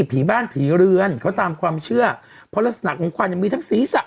ผีบ้านผีเรือนเขาตามความเชื่อเพราะลักษณะของควันยังมีทั้งศีรษะ